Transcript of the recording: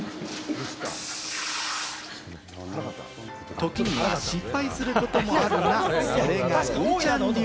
ときには失敗することもあるが、それがグンちゃん流。